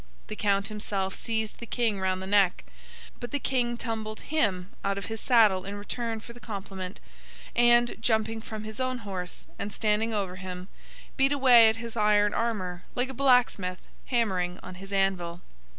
The Count himself seized the King round the neck, but the King tumbled him out of his saddle in return for the compliment, and, jumping from his own horse, and standing over him, beat away at his iron armour like a blacksmith hammering on his anvil.